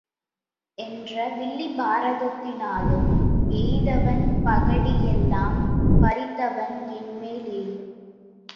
என்ற வில்லிபாரதத்தினாலும், எய்தவன் பகடி யெல்லாம் பறித்தவன் என்மேல் எய்யும்.